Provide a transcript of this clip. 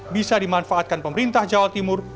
bisa dimanfaatkan pemerintah jawa timur